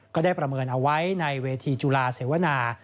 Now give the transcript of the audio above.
ก็ได้ประเมินเอาไว้ในเวทีจุฬาเสวนา